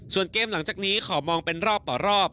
ส่วนเกมหลังจากนี้ขอมองเป็นรอบต่อรอบ